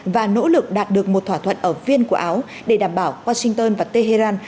và nỗ lực đạt được một thỏa thuận ở viên của áo để đảm bảo washington và tehran